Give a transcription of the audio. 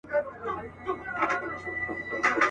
هغه نوري ورځي نه در حسابیږي.